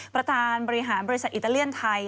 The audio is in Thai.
ประธานบริหารบริษัทอิตาเลียนไทย